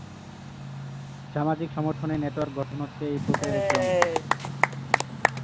সামাজিক সমর্থনের নেটওয়ার্ক গঠন হচ্ছে এই প্রক্রিয়ার একটি অংশ।